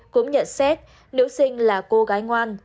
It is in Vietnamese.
cũng nhận xét nữ sinh là cô gái ngoan